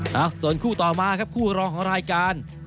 เอ้าส่วนคู่ต่อมาครับคู่รองของรายการ